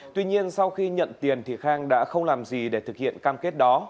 tuy nhiên sau khi nhận tiền thì khang đã không làm gì để thực hiện cam kết đó